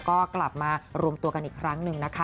ก็กลับมารวมตัวกันอีกครั้งหนึ่งนะคะ